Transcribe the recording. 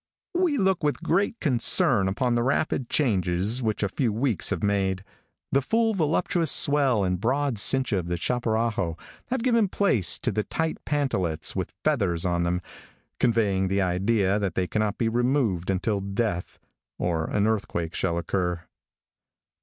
We look with great concern upon the rapid changes which a few weeks have made. The full voluptuous swell and broad cincha of the chaparajo have given place to the tight pantaletts with feathers on them, conveying the idea that they cannot be removed until death, or an earthquake shall occur..